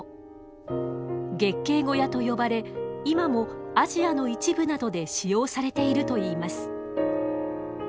月経小屋と呼ばれ今もアジアの一部などで使用されているといいます。